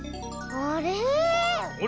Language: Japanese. あれ？